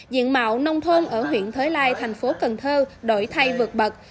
diện mạo nông thôn ở huyện thới lai tp cnh đổi thay vượt bật